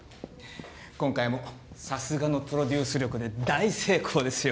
今回もさすがのプロデュース力で大成功ですよ。